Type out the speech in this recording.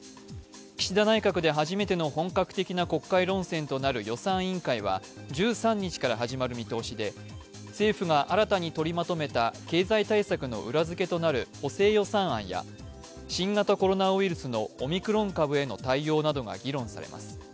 岸田内閣で初めての本格的な国会論戦となる予算委員会は１３日から始まる見通しで、政府が新たに取りまとめた経済対策の裏づけとなる補正予算案や新型コロナウイルスのオミクロン株への対応などが議論されます。